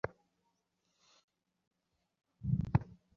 তিনি ছিলেন বডলিয়ান গ্রন্থাগারের প্রতিষ্ঠাতা স্যার স্যার টমাস বডলির বংশধর।